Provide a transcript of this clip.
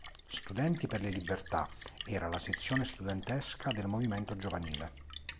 Studenti per le libertà era la sezione studentesca del movimento giovanile.